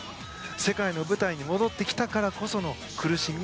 世界の舞台に戻ってきたからこその苦しみ。